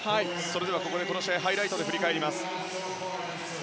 ここでこの試合ハイライトで振り返ります。